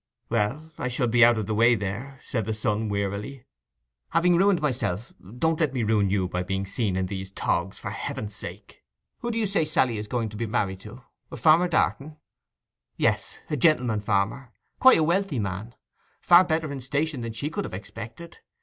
'Well—I shall be out of the way there,' said the son wearily. 'Having ruined myself, don't let me ruin you by being seen in these togs, for Heaven's sake. Who do you say Sally is going to be married to—a Farmer Darton?' 'Yes—a gentleman farmer—quite a wealthy man. Far better in station than she could have expected.